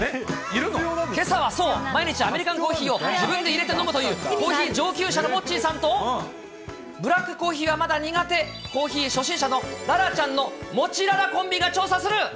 けさはそう、毎日アメリカンコーヒーを自分でいれて飲むというコーヒー上級者のモッチーさんと、ブラックコーヒーはまだ苦手、コーヒー初心者の楽々ちゃんのモチララコンビが調査する。